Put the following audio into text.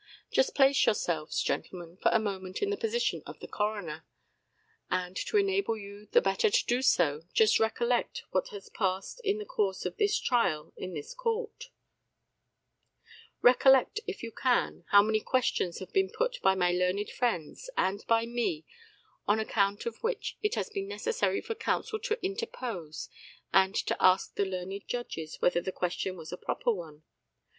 Just place yourselves, gentlemen, for a moment in the position of the coroner; and, to enable you the better to do so, just recollect what has passed in the course of this trial in this court; recollect, if you can, how many questions have been put by my learned friends and by me on account of which it has been necessary for counsel to interpose and to ask the learned judges whether the question was a proper one.